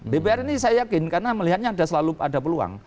dpr ini saya yakin karena melihatnya selalu ada peluang